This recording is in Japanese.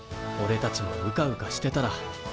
おれたちもうかうかしてたら。